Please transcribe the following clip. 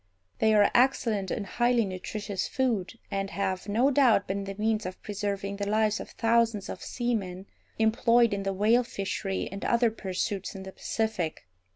They are excellent and highly nutritious food, and have, no doubt, been the means of preserving the lives of thousands of seamen employed in the whale fishery and other pursuits in the Pacific.